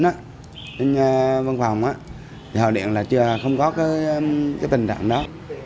trên văn phòng thì họ điện là chưa không có cái tình trạng đó